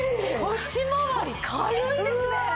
腰まわり軽いですね。